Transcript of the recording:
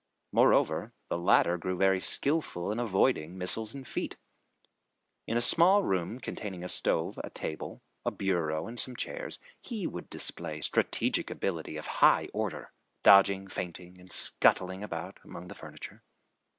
Moreover, the latter grew very skilful in avoiding missiles and feet. In a small room containing a stove, a table, a bureau and some chairs, he would display strategic ability of a high order, dodging, feinting and scuttling about among the furniture.